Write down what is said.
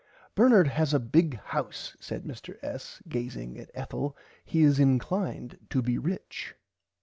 Bernard has a big house said Mr. S. gazing at Ethel he is inclined to be rich.